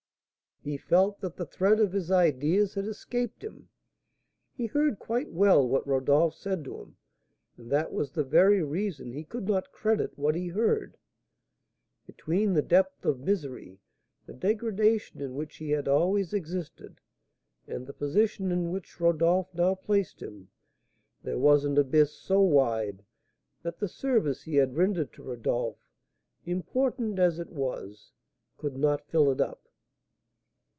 He felt that the thread of his ideas had escaped him. He heard quite well what Rodolph said to him, and that was the very reason he could not credit what he heard. Between the depth of misery, the degradation in which he had always existed, and the position in which Rodolph now placed him, there was an abyss so wide that the service he had rendered to Rodolph, important as it was, could not fill it up.